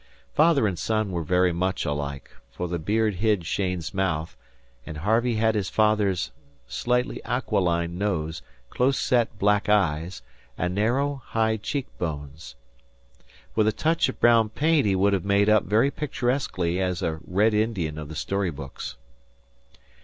Father and son were very much alike; for the beard hid Cheyne's mouth, and Harvey had his father's slightly aquiline nose, close set black eyes, and narrow, high cheek bones. With a touch of brown paint he would have made up very picturesquely as a Red Indian of the story books.